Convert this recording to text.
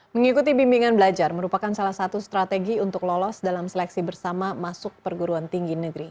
mengikuti bimbingan belajar merupakan salah satu strategi untuk lolos dalam seleksi bersama masuk perguruan tinggi negeri